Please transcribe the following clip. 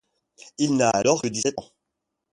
Il n'a alors que dix-sept ans.